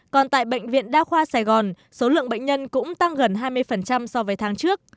còn tại bệnh viện đa khoa sài gòn số lượng bệnh nhân cũng tăng gần hai mươi so với tháng trước